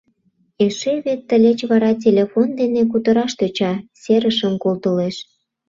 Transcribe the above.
Эше вет тылеч вара телефон дене кутыраш тӧча, серышым колтылеш.